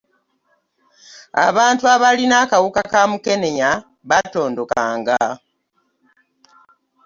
abantu abalina akawuka ka mukenenya baatondokanga